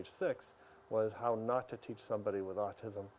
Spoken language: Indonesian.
bekerja dengan penyakit otisme